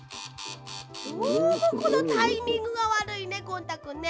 どうもこのタイミングがわるいねゴン太くんね。